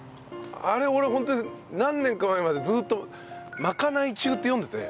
あれ俺ホントに何年か前までずっと「まかない中」って読んでて。